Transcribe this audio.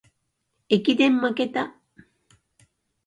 駅伝まけた